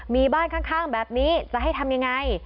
มีบ้านข้างแบบนี้จะให้ทำยังไง